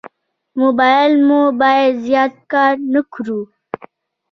موبایل مو باید زیات کار نه کړو.